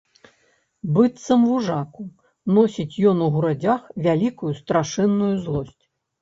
Быццам вужаку, носіць ён у грудзях вялікую, страшэнную злосць.